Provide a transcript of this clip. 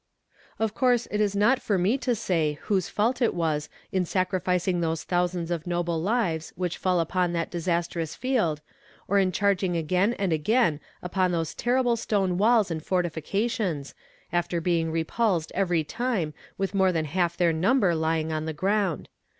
Of course it is not for me to say whose fault it was in sacrificing those thousands of noble lives which fell upon that disastrous field, or in charging again and again upon those terrible stone walls and fortifications, after being repulsed every time with more than half their number lying on the ground.